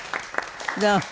どうも。